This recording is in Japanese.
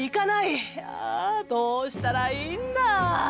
あどうしたらいいんだ』。